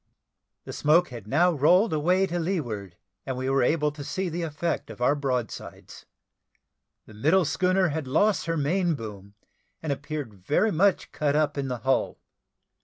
The smoke had now rolled away to leeward, and we were able to see the effect of our broadsides. The middle schooner had lost her main boom, and appeared very much cut up in the hull.